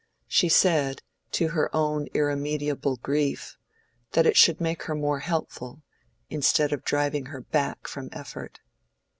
She said to her own irremediable grief, that it should make her more helpful, instead of driving her back from effort.